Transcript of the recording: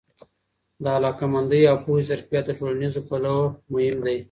د علاقه مندي او پوهه ظرفیت د ټولنیزو پلوه مهم دی.